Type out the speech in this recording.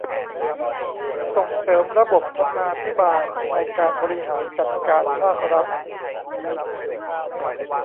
ส่งเสริมระบบธรรมาภิบาลในการบริหารจัดการภาครัฐ